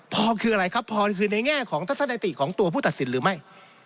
พอคืออะไรครับพอคือในแง่ของทัศนติของตัวผู้ตัดสินหรือไม่